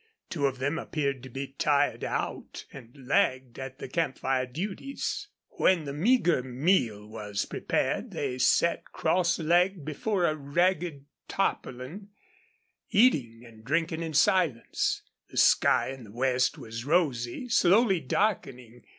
Two of them appeared to be tired out, and lagged at the camp fire duties. When the meager meal was prepared they sat, cross legged, before a ragged tarpaulin, eating and drinking in silence. The sky in the west was rosy, slowly darkening.